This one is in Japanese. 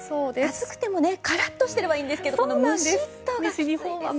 暑くてもカラッとしていればいいんですけどムシッとがきついですね。